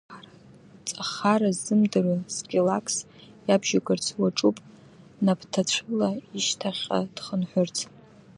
Ҵахара ззымдыруа Скилакс иабжьугарц уаҿуп напҭацәыла ишьҭахьҟа дхынҳәырц!